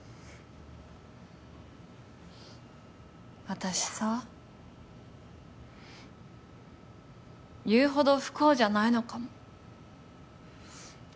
私さ言うほど不幸じゃないのかも。